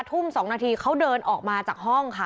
ทุ่ม๒นาทีเขาเดินออกมาจากห้องค่ะ